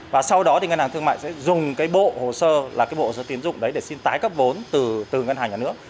và sau đó thì ngân hàng thương mại sẽ dùng cái bộ hồ sơ là cái bộ số tiến dụng đấy để xin tái cấp vốn từ ngân hàng nhà nước